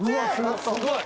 すごい。